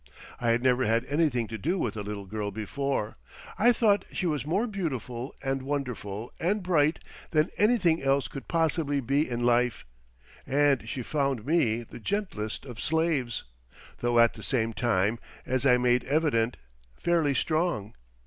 I had never had anything to do with a little girl before, I thought she was more beautiful and wonderful and bright than anything else could possibly be in life, and she found me the gentlest of slaves—though at the same time, as I made evident, fairly strong.